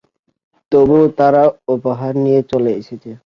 তবুও, তারা উপহার নিয়ে চলে এসেছে।